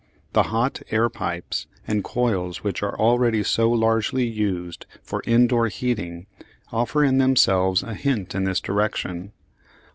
The hot air pipes and coils which are already so largely used for indoor heating offer in themselves a hint in this direction.